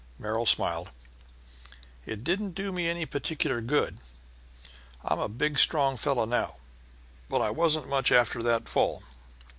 Merrill smiled. "It didn't do me any particular good. I'm a big, strong fellow now, but I wasn't much after that fall.